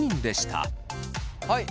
はい。